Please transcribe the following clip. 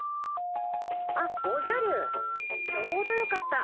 あっおじゃるちょうどよかった。